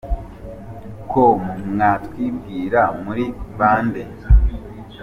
com : Mwatwibwira, muri bande ?.